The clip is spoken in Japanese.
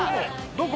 どこ？